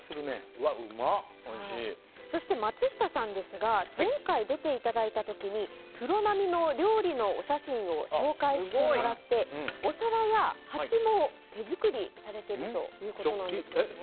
そして、松下さんですが前回出ていただいた時にプロ並みの料理のお写真を紹介してもらってお皿や鉢も手作りされているということなんですよね。